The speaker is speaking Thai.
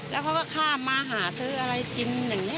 แล้วเขาก็ข้ามมาหาซื้ออะไรกินอย่างนี้